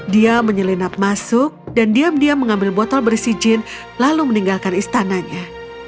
dia menyelinap masuk dan diam diam mengambil botol berisi jin lalu meninggalkan istananya